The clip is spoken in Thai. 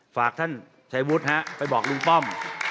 ฝากท่านชัยวุฒิฮะไปบอกลุงป้อม